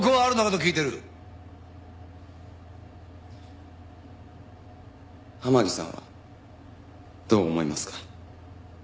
天樹さんはどう思いますか？